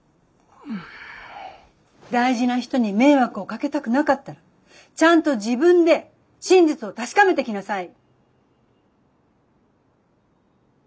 大事な人に迷惑をかけたくなかったらちゃんと自分で真実を確かめてきなさい。